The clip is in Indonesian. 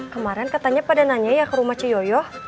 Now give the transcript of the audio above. kemarin katanya pada nanya ya ke rumah ciyoyo